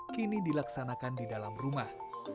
kini dilaksanakan di dalam rumah